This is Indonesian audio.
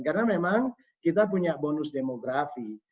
karena memang kita punya bonus demografi